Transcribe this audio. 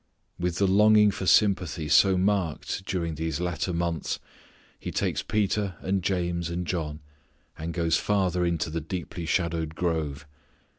With the longing for sympathy so marked during these latter months, He takes Peter and James and John and goes farther into the deeply shadowed grove.